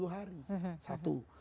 dua puluh hari satu